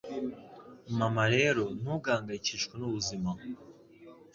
Mama rero ntugahangayikishwe nubuzima